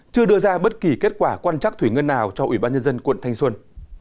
chưa đưa ra bất kỳ kết quả quan trắc thủy ngân nào cho ủy ban nhân dân quận thanh xuân